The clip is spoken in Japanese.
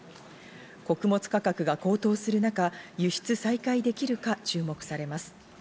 穀物価格が高騰するなか、輸出再開できるか注目されます。